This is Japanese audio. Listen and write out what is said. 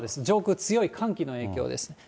上空、強い寒気の影響です。